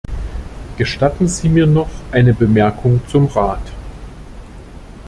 Gestatten Sie mir noch eine Bemerkung zum Rat.